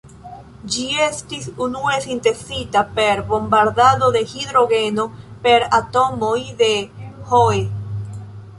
Ĝi estis unue sintezita per bombardado de hidrogeno per atomoj de He.